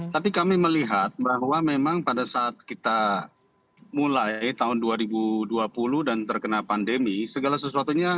tapi kami melihat bahwa memang pada saat kita mulai tahun dua ribu dua puluh dan terkena pandemi segala sesuatunya